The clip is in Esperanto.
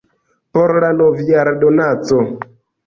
por la nov-jara donaco